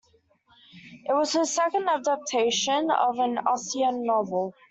It was his second adaptation of an Austen novel.